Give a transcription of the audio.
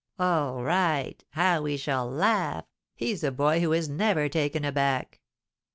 "All right; how we shall laugh! He's a boy who is never taken aback!"